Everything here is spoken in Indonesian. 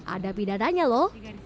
ada pindahannya lho